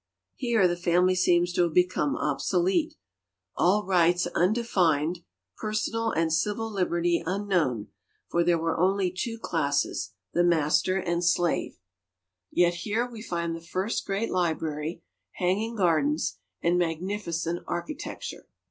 Here the family seems to have become obsolete, all rights undefined, personal and civil liberty unknown, for there were only two classes, the master and slave. Yet here we find the first great library, hanging gardens, and magnificent architecture.